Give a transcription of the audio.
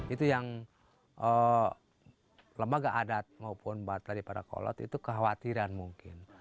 itu yang lembaga adat maupun batal dari para kolat itu kekhawatiran mungkin